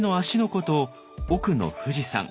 湖と奥の富士山。